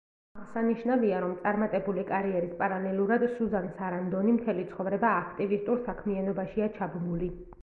აღსანიშნავია, რომ წარმატებული კარიერის პარალელურად, სუზან სარანდონი მთელი ცხოვრება აქტივისტურ საქმიანობაშია ჩაბმული.